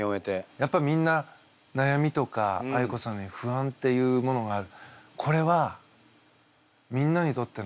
やっぱみんななやみとかあいこさんのように不安っていうものがある。